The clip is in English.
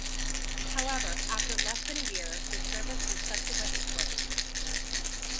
However after less than a year the service was subsequently closed.